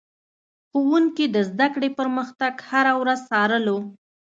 ښوونکي د زده کړې پرمختګ هره ورځ څارلو.